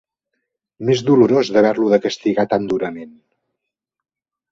M'és dolorós, d'haver-lo de castigar tan durament!